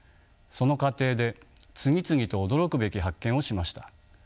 その過程で次々と驚くべき発見をしました。